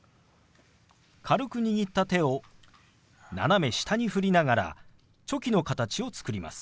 軽く握った手を斜め下に振りながらチョキの形を作ります。